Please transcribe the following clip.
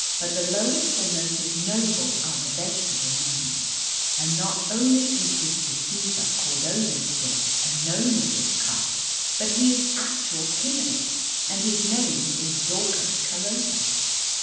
But the lowest and most ignoble are the vegetable gnomes, and not only is this deceiver Cordovanspitz a gnome of this caste, but he is actual king of it, and his name is Daucus Carota."